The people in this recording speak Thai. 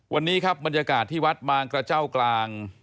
วันนี้ครับบรรยากาศที่วัดบางกระเจ้ากลาง